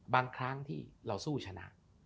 บางครั้งที่เราสู้ชนะ